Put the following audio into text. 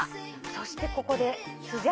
そしてここで。